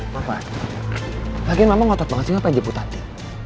bapak bagian mama ngotot banget sih ngapain jeput nanti